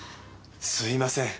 すいません。